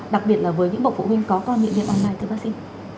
đặc biệt là với những bậc phụ huynh có con nghiện online thưa bác sĩ